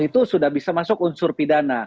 itu sudah bisa masuk unsur pidana